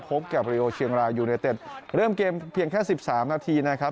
พบกับริโอเชียงรายยูเนเต็ดเริ่มเกมเพียงแค่สิบสามนาทีนะครับ